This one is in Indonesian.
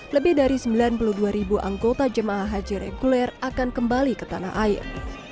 lebih dari sembilan puluh dua ribu anggota jemaah haji reguler akan kembali ke tanah air